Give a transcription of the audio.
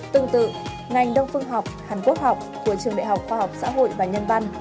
tương tự ngành đông phương học hàn quốc học của trường đại học khoa học xã hội và nhân văn